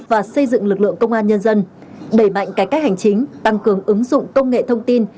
và xây dựng lực lượng công an nhân dân đẩy mạnh cải cách hành chính tăng cường ứng dụng công nghệ thông tin